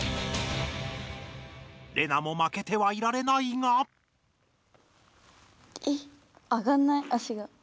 レナも負けてはいられないが。